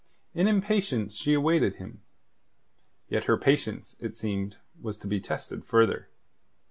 In impatience she awaited him. Yet her patience, it seemed, was to be tested further.